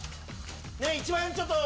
一番ちょっと。